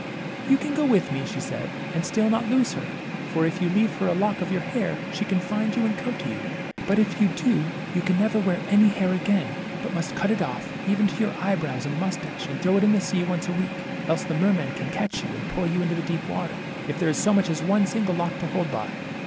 You can go with me/' she said, and still not lose her \ for if you leave her a lock of your hair, she can find you and come to you ; but if you do, you can never wear any hair again, but must cut it off even to your eye brows and moustache, and throw it into the sea once a week. Else the mermen can catch you, and pull you into the deep water, if there is so much as one single lock to hold by."